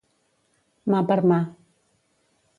Mà per mà.